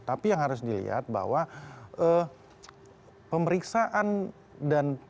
tapi yang harus dilihat bahwa pemeriksaan dan